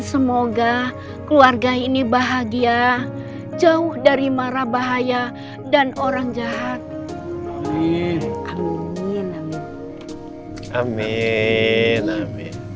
semoga keluarga ini bahagia jauh dari marah bahaya dan orang jahat amin amin amin amin